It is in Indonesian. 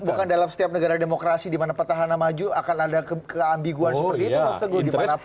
bukan dalam setiap negara demokrasi dimana pertahanan maju akan ada keambiguan seperti itu mas teguh